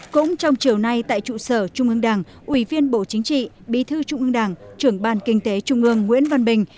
cũng trong chiều nay tại trụ sở trung ương đảng ủy viên bộ chính trị bí thư trung ương đảng trưởng ban kinh tế trung ương nguyễn văn bình